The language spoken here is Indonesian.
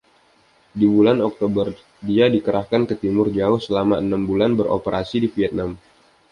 Di bulan Oktober dia dikerahkan ke Timur Jauh selama enam bulan, beroperasi di Vietnam.